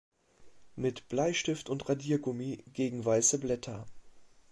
Mit Bleistift und Radiergummi gegen weiße Blätter.